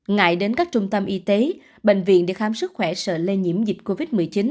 ngại đến các trung tâm y tế bệnh viện để khám sức khỏe sợ lây nhiễm dịch covid một mươi chín